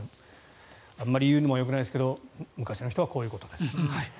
あまり言うのもよくないですが昔の人はこういうことです。